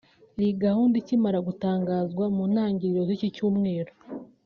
Iyi gahunda ikimara gutangazwa mu ntangiriro z’iki cyumweru